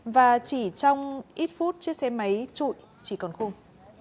và chỉ trong ít phút chiếc xe máy trụi chỉ còn khung